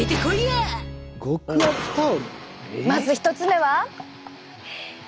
まず１つ目は。